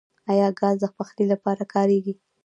آیا ګاز د پخلي لپاره کاریږي؟